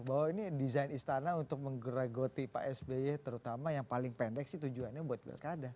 bahwa ini desain istana untuk menggeragoti pak sby terutama yang paling pendek sih tujuannya buat pilkada